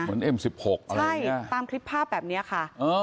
เหมือนเอ็มสิบหกใช่ตามคลิปภาพแบบเนี้ยค่ะอ๋อ